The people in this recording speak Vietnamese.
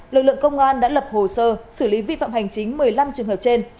lực lượng công an đã lập hồ sơ xử lý vi phạm hành chính một mươi năm trường hợp trên